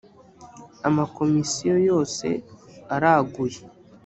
amakomisiyo yose araguye.